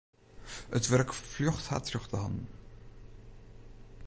It wurk fljocht har troch de hannen.